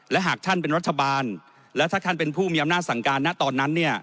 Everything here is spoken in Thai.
และหากท่านเป็นรัฐบาลและถ้าท่านเป็นผู้มีอำนาจสั่งการณตอนนั้นเนี่ย